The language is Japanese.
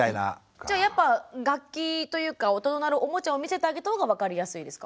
じゃあやっぱ楽器というか音の鳴るおもちゃを見せてあげたほうが分かりやすいですか。